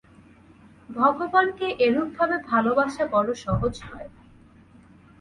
ভগবানকে এরূপভাবে ভালবাসা বড় সহজ নয়।